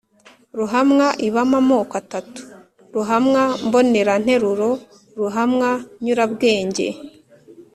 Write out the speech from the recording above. ruhamwa ibamo amoko atatu: ruhamwa mboneranteruro, ruhamwa nyurabwenge